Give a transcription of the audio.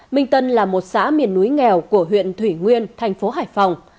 minh tân là một xã miền núi nghèo của huyện thủy nguyên thành phố hải phòng